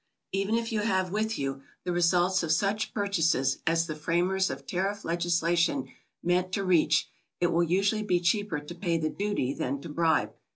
Even if you have with you the results of such purchases as the framers of tariff legislation meant to reach, it will usually be cheaper to pay the duty than to bribe.